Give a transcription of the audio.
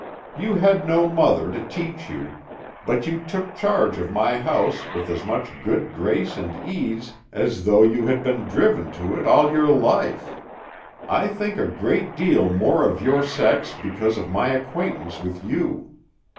You had no mother to teach you, but you took charge of my house with as much good grace and ease as though you had been driven to it all your life. I think a great deal more of your sex because of my acquaintance with you.